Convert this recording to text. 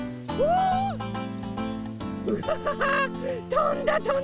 とんだとんだ！